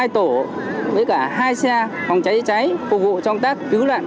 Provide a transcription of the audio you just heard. hai tổ với cả hai xe phòng cháy cháy phục vụ trong tác cứu nạn